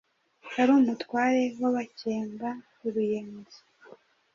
wari umutware w’abakemba, uruyenzi,